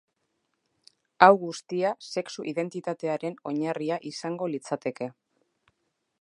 Hau guztia sexu identitatearen oinarria izango litzateke.